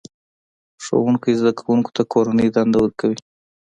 ښوونکی زده کوونکو ته کورنۍ دنده ورکوي